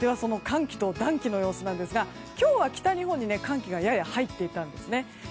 寒気と暖気の様子ですが今日は北日本に寒気がやや入っていたんですね。